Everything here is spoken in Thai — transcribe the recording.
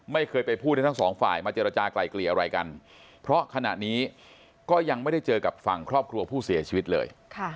ไม่เคยไปพูดให้ทั้งสองฝ่ายมาเจรจากลายเกลี่ยอะไรกันเพราะขณะนี้ก็ยังไม่ได้เจอกับฝั่งครอบครัวผู้เสียชีวิตเลย